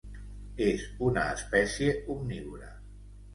És una espècie omnívora.